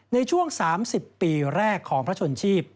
ในช่วง๓๐ปีแรกของพระชนชีพ